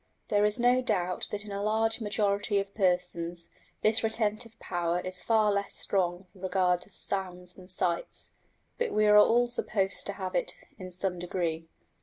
There is no doubt that in a large majority of persons this retentive power is far less strong with regard to sounds than sights, but we are all supposed to have it in some degree.